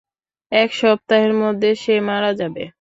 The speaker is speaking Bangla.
এক সপ্তাহের মধ্যে সে মারা যাবে।